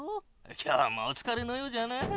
今日もおつかれのようじゃな。